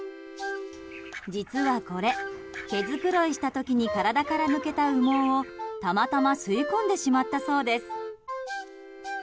実はこれ、毛づくろいした時に体から抜けた羽毛をたまたま吸い込んでしまったそうです。